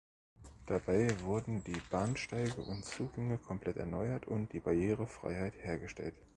Dabei wurden die Bahnsteige und Zugänge komplett erneuert und die Barrierefreiheit hergestellt.